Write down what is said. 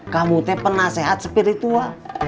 kamu tuh penasehat spiritual